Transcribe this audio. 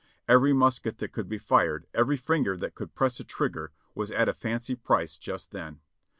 Every musket that could be fired — every finger that could press a trigger was at a fancy price just then.